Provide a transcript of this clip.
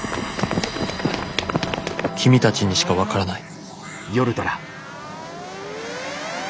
「君たちにしかわからない」。